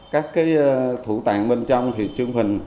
các thủ tạng bên trong trương phần